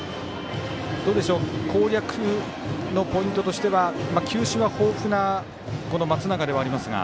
攻略のポイントとしては球種が豊富な松永ではありますが。